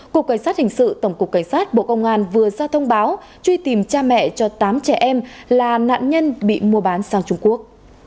cục cảnh sát hình sự tổng cục cảnh sát bộ công an vừa ra thông báo truy tìm cha mẹ cho tám trẻ em là nạn nhân bị mua bán sang trung quốc